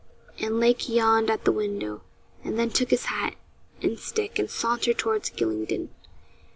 And Lake yawned at the window, and then took his hat and stick and sauntered toward Gylingden.